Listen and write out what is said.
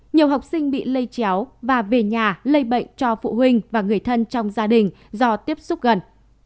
nhiều học sinh bị lây chéo và về nhà lây bệnh cho phụ huynh và người thân trong gia đình do tiếp xúc gần